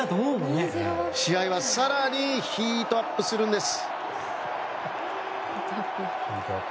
試合は更にヒートアップするんです。